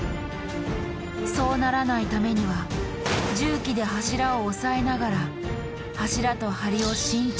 そうならないためには重機で柱をおさえながら柱と梁を慎重に切断。